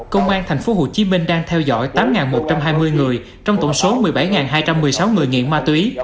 công an tp hcm đang theo dõi tám một trăm hai mươi người trong tổng số một mươi bảy hai trăm một mươi sáu người nghiện ma túy